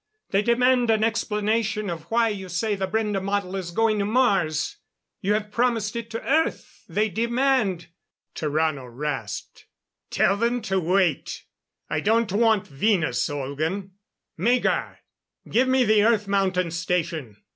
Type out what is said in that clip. They demand an explanation of why you say the Brende model is going to Mars. You have promised it to Earth. They demand " Tarrano rasped: "Tell them to wait ... I don't want Venus, Olgan.... Megar! Give me the Earth Mountain Station."